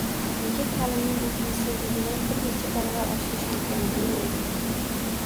Nega ta’limning intensivligini bir necha baravar oshirish imkoni bo‘la turib